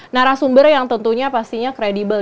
narasumber yang tentunya pastinya kredibel